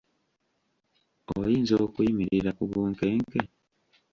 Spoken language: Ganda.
Oyinza okuyimirira ku bunkenke?